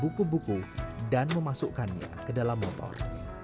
buku buku dan memasukkannya ke dalam motor